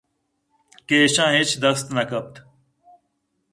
کہ ایشاں ہچ دست نہ کپت